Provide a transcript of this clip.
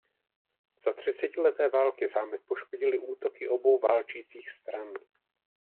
Za třicetileté války zámek poškodily útoky obou válčících stran.